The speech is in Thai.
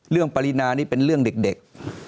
ปรินานี่เป็นเรื่องเด็ก